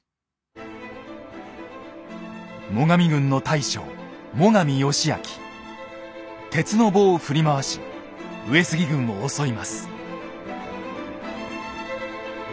最上軍の大将鉄の棒を振り回し上杉軍を襲います。